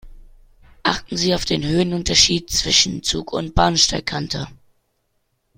Achten Sie auf den Höhenunterschied zwischen Zug und Bahnsteigkante.